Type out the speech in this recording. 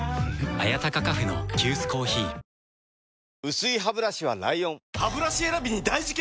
薄いハブラシは ＬＩＯＮハブラシ選びに大事件！